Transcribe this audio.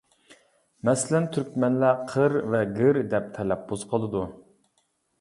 مەسىلەن، تۈركمەنلەر قىر ۋە گىر دەپ تەلەپپۇز قىلىدۇ.